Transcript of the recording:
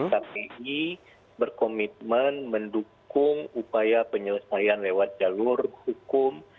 kpi berkomitmen mendukung upaya penyelesaian lewat jalur hukum